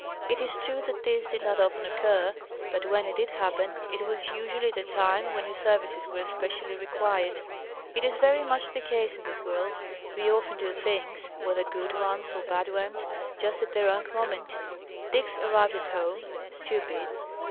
It is true that this did not often occur; but when it did happen, it was usually at a time when his services were especially required. It is very much the case in this world: we often do things, whether good ones or bad ones, just at the wrong moment. Diggs arrived at home, stupid.